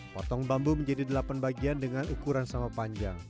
potong bambu menjadi delapan bagian dengan ukuran sama panjang